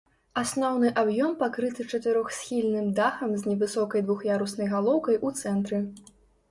Асноўны аб'ём пакрыты чатырохсхільным дахам з невысокай двух'яруснай галоўкай у цэнтры.